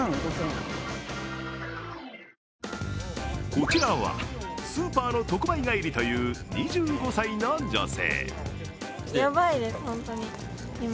こちらはスーパーの特売帰りという２５歳の女性。